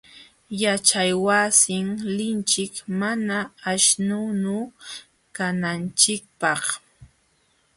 Yaćhaywasin linchik mana aśhnunu kananchikpaq.